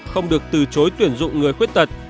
không được từ chối tuyển dụng người khuyết tật